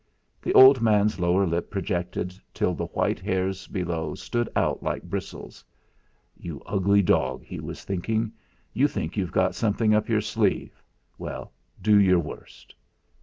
The old man's lower lip projected till the white hairs below stood out like bristles. '.ou ugly dog,' he was thinking, 'you think you've got something up your sleeve. Well, do your worst!'